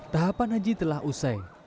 tahapan haji telah usai